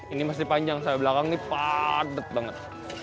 ini masih panjang sampai belakang ini padat banget